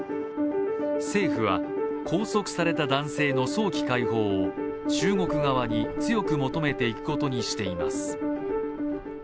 政府は拘束された男性の早期解放を中国側に強く求めていくことにしています。